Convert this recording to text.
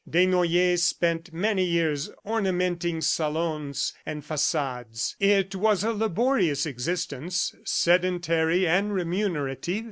Desnoyers spent many years ornamenting salons and facades. It was a laborious existence, sedentary and remunerative.